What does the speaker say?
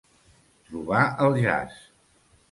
Trobar el jaç.